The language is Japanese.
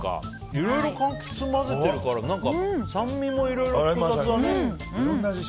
いろいろ柑橘を混ぜてるから何か、酸味もいろいろ複雑だね。